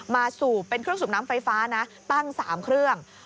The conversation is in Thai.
สูบเป็นเครื่องสูบน้ำไฟฟ้านะตั้ง๓เครื่อง